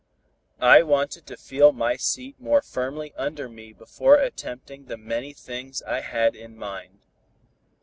I wanted to feel my seat more firmly under me before attempting the many things I had in mind.